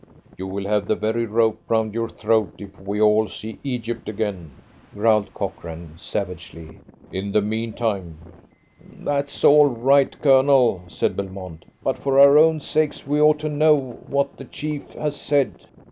"You will have the very rope round your throat if we all see Egypt again," growled Cochrane savagely. "In the meantime " "That's all right, Colonel," said Belmont. "But for our own sakes we ought to know what the chief has said."